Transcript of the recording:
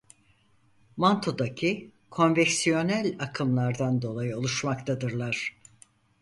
Mantodaki konveksiyonel akımlardan dolayı oluşmaktadırlar.